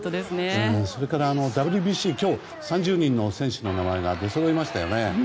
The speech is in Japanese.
それから、ＷＢＣ、今日３０人の選手の名前が出そろいましたよね。